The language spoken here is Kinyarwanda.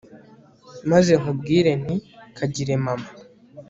maze nkubwire nti ' kagire mama '